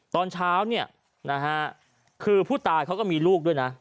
ตอนเช้าคือผู้ตายเขาก็มีลูกด้วยนะ